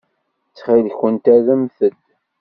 Ttxil-kent rremt-d.